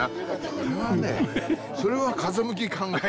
それはねそれは風向き考えてよ。